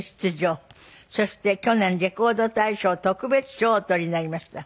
そして去年レコード大賞特別賞をお取りになりました。